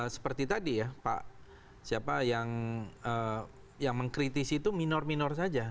seperti tadi ya pak siapa yang mengkritisi itu minor minor saja